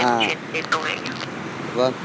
thế mà đến tối anh ạ